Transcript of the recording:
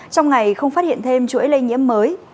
trong ngày không phát hiện thêm chuỗi lây nhiễm mới